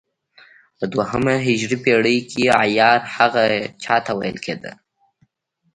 په دوهمه هجري پېړۍ کې عیار هغه چا ته ویل کېده.